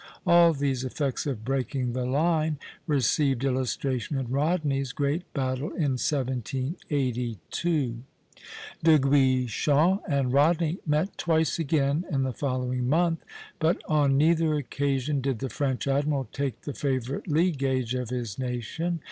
All these effects of "breaking the line" received illustration in Rodney's great battle in 1782. De Guichen and Rodney met twice again in the following month, but on neither occasion did the French admiral take the favorite lee gage of his nation.